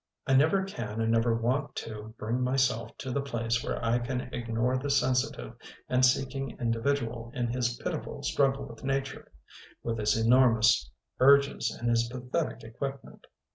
I never can and never want to bring myself to the place where I can ignore the sensitive and seeking individual in his pitiful struggle with nature, — with his enor mous urges and his pathetic equip ment.